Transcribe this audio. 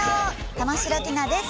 玉城ティナです。